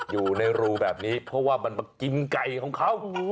อยู่ในรูแบบนี้เพราะว่ามันมากินไก่ของเขา